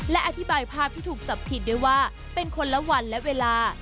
และอธิบายภาพที่ถูกจับผิดด้วยว่าเป็นคนละวันและเวลา